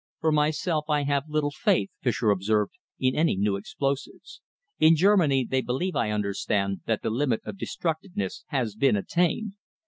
"For myself I have little faith," Fischer observed, "in any new explosives. In Germany they believe, I understand, that the limit of destructiveness has been attained."